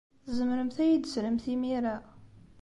Tzemremt ad iyi-d-teslemt imir-a?